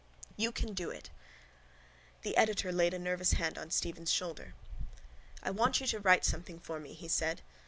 "YOU CAN DO IT!" The editor laid a nervous hand on Stephen's shoulder. —I want you to write something for me, he said.